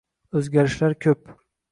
O`zgarishlar ko`p